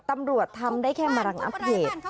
ตำรวจทำได้แค่มารังอัพเหตุ